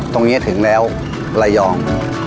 ตรงนี้ถึงแล้วระยอง